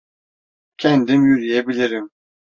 Kendim yürüyebilirim.